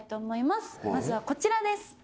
まずはこちらです。